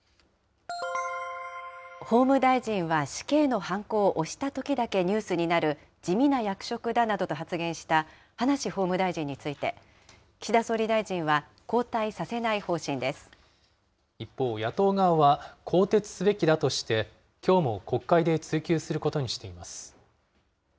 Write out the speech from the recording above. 法務大臣は死刑のはんこを押したときだけニュースになる地味な役職だなどと発言した葉梨法務大臣について、岸田総理大臣は、一方、野党側は更迭すべきだとして、きょうも国会で追及することにしています。